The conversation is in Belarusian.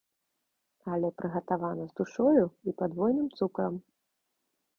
Але прыгатавана з душою і падвойным цукрам.